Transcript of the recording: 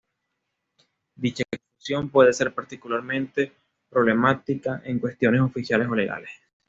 Dicha confusión puede ser particularmente problemática en cuestiones oficiales o legales.